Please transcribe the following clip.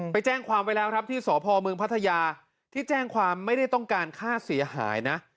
ไปแจ้งความไว้แล้วครับที่สพเมืองพัทยาที่แจ้งความไม่ได้ต้องการค่าเสียหายนะ